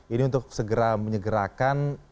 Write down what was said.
ini untuk segera menyegerakan